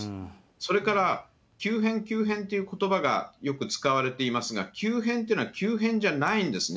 それから急変、急変ということばがよく使われていますが、急変というのは急変じゃないんですね。